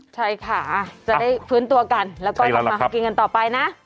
ใช่ค่ะจะได้ฟื้นตัวกันแล้วก็ทำมาหากินกันต่อไปนะ